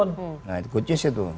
nah itu gocis ya tuh